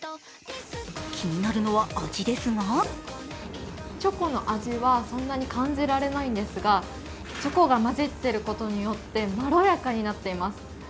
気になるのは味ですがチョコの味はそんなに感じられないんですがチョコが混じってることによってまろやかになっています。